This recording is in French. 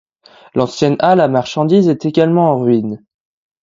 L'ancienne halle à marchandises est également en ruine.